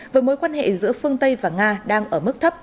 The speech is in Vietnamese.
với mối quan hệ giữa phương tây và nga đang ở mức thấp